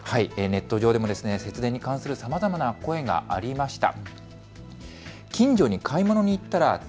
ネット上でも節電に関するさまざまな声がありました。